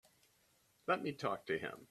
Let me talk to him.